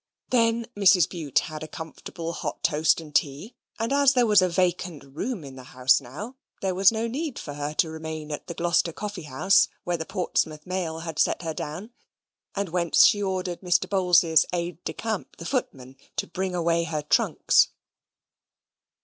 Then Mrs. Bute had a comfortable hot toast and tea; and as there was a vacant room in the house now, there was no need for her to remain at the Gloster Coffee House where the Portsmouth mail had set her down, and whence she ordered Mr. Bowls's aide de camp the footman to bring away her trunks.